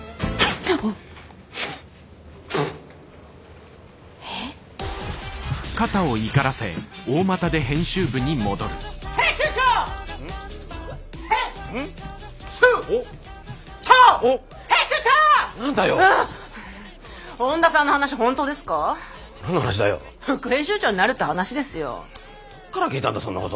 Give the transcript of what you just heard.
どっから聞いたんだそんなこと。